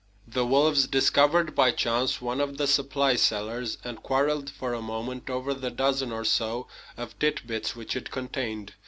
The wolves discovered by chance one of the supply cellars, and quarreled for a moment over the dozen or so of tit bits which it contained.